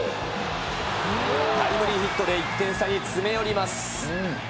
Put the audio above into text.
タイムリーヒットで１点差に詰め寄ります。